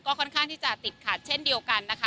ค่อนข้างที่จะติดขัดเช่นเดียวกันนะคะ